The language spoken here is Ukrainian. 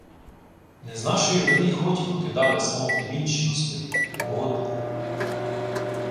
— Не з нашої вини й хоті покидали смо племінщину свою. Готи...